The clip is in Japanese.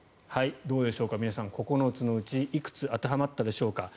どうでしょうか、皆さん９つのうちいくつ当てはまったでしょうか。